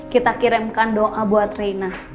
kita kirimkan doa buat reina